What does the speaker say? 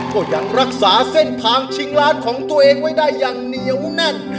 ก็ยังรักษาเส้นทางชิงล้านของตัวเองไว้ได้อย่างเหนียวแน่น